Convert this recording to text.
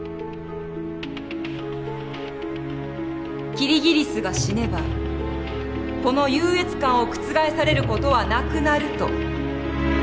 「キリギリスが死ねばこの優越感を覆される事はなくなる」と。